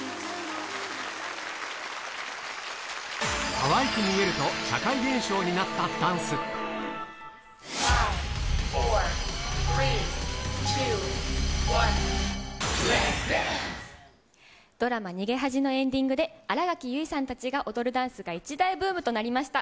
かわいく見えると社会現象にドラマ、逃げ恥のエンディングで、新垣結衣さんたちが踊るダンスが一大ブームとなりました。